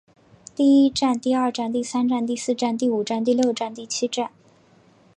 第一战第二战第三战第四战第五战第六战第七战